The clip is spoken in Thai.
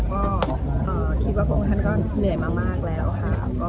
ก็คิดว่าพระองค์ท่านก็เหนื่อยมากแล้วค่ะ